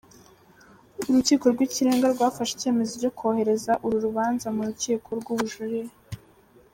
Urukiko rw'ikirenga rwafashe icyemezo cyo kohereza uru rubanza mu rukiko rw'ubujurire.